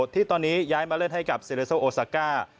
ที่ตอนนี้ย้ายมาเล่นให้กับเซเลโซโอซาก้า